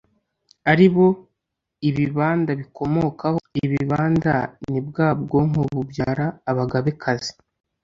ari bo Ibibanda bikomokaho. Ibibanda ni bwa bwoko bubyara Abagabekazi.